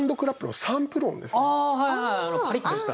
あのパリッとした。